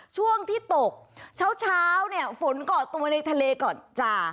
ช่วงที่ตกเช้าเนี่ยฝนเกาะตัวในทะเลก่อนจ้ะ